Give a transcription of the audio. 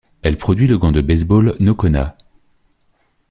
Elle produit le gant de baseball Nokona.